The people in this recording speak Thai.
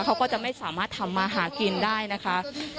เขาก็จะไม่สามารถทำมาหากินได้นะคะ